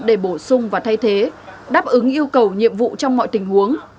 để bổ sung và thay thế đáp ứng yêu cầu nhiệm vụ trong mọi tình huống